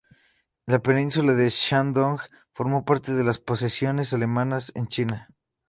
La península de Shandong, formó parte de las concesiones alemanas en China.